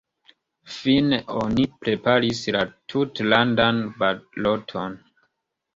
Fine oni preparis la tutlandan baloton.